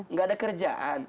nggak ada kerjaan